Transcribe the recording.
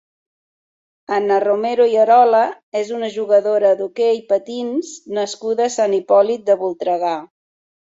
Anna Romero i Arola és una jugadora d'hoquei patins nascuda a Sant Hipòlit de Voltregà.